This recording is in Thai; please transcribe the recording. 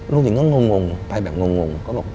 ลุงสิงฮ์ก็งงไปแบบงงก็บอก